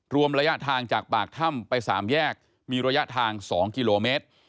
รวมระยะทางจากปากถ้ำไป๓แยกมีระยะทาง๒กิโลเมตร